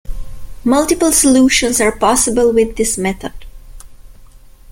Multiple solutions are possible with this method.